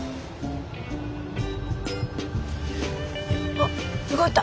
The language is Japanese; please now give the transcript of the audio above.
あっ動いた。